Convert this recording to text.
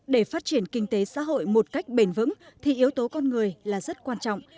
để phát triển kinh tế xã hội một cách bền vững thì yếu tố con người là rất quan trọng